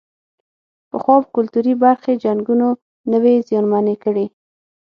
پخوا کلتوري برخې جنګونو نه وې زیانمنې کړې.